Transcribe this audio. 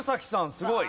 すごい。